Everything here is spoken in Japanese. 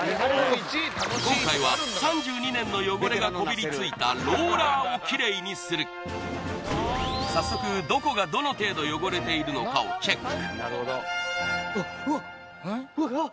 今回は３２年の汚れがこびりついたローラーをキレイにする早速どこがどの程度汚れているのかをチェックうわっあっ！